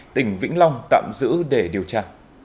tỉnh vĩnh long tạm giữ để điều tra